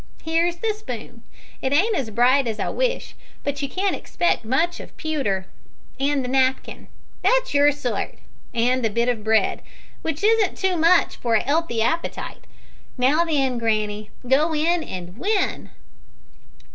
Here's the spoon; it ain't as bright as I could wish, but you can't expect much of pewter; an' the napkin that's your sort; an' the bit of bread which it isn't too much for a 'ealthy happetite. Now then, granny, go in and win!"